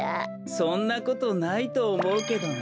そんなことないとおもうけどな。